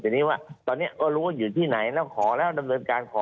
ทีนี้ว่าตอนนี้ก็รู้ว่าอยู่ที่ไหนแล้วขอแล้วดำเนินการขอ